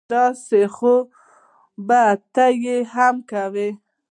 داسې خو به ته یې هم کوې